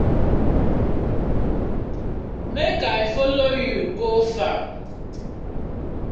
Mek I follo you go fam.